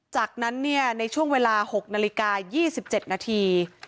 จากนั้นในช่วงเวลา๖นาฬิกา๒๗นาที